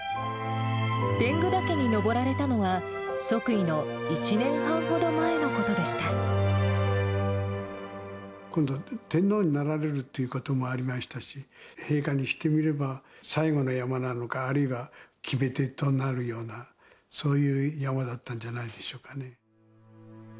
天狗岳に登られたのは、今度、天皇になられるということもありましたし、陛下にしてみれば最後の山なのか、あるいは決め手となるような、そういう山だったんじゃないでし